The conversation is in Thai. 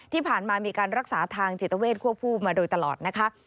ที่ผ่านมามีการรักษาทางจิตเวทควบคู่มาโดยตลอดนะคะ